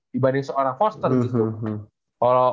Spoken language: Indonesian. dibanding seorang foster gitu